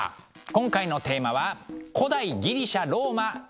今回のテーマは「古代ギリシャ・ローマ旅のしおり」。